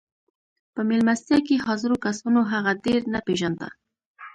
په مېلمستيا کې حاضرو کسانو هغه ډېر نه پېژانده.